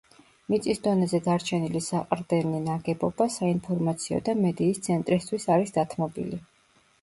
მიწის დონეზე დარჩენილი საყრდენი ნაგებობა საინფორმაციო და მედიის ცენტრისთვის არის დათმობილი.